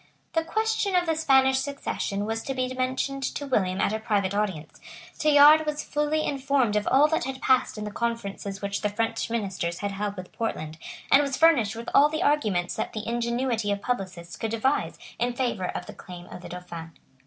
The question of the Spanish succession was to be mentioned to William at a private audience. Tallard was fully informed of all that had passed in the conferences which the French ministers had held with Portland; and was furnished with all the arguments that the ingenuity of publicists could devise in favour of the claim of the Dauphin.